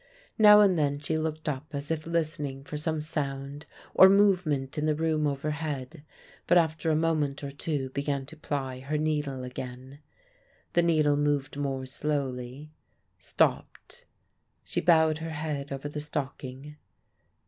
Now and then she looked up as if listening for some sound or movement in the room overhead, but after a moment or two began to ply her needle again. The needle moved more slowly stopped she bowed her head over the stocking.